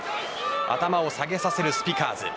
頭を下げさせるスピカーズ。